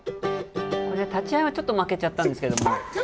これ、立ち合いはちょっと負けちゃったんですけど。